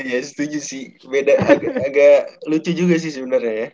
iya setuju sih beda agak lucu juga sih sebenernya ya